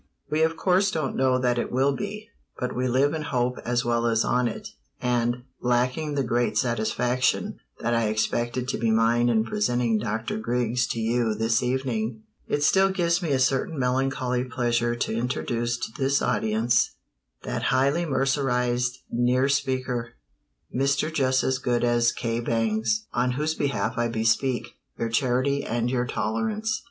We of course don't know that it will be; but we live in hope as well as on it, and, lacking the great satisfaction that I had expected to be mine in presenting Dr. Griggs to you this evening, it still gives me a certain melancholy pleasure to introduce to this audience that highly mercerized near speaker, Mr. Just as Good as K. Bangs, on whose behalf I bespeak your charity and your tolerance."